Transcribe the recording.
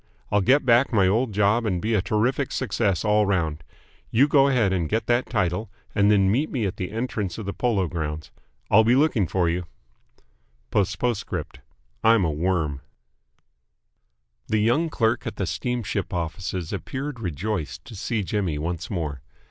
I'll get back my old job and be a terrific success all round. You go ahead and get that title and then meet me at the entrance of the Polo Grounds. I'll be looking for you. P.P.S. I'm a worm. The young clerk at the steamship offices appeared rejoiced to see Jimmy once more.